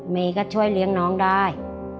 เมย์ก็ช่วยเลี้ยงน้องได้